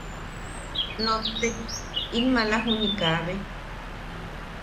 Lottek, in maala juniʼi kaabe.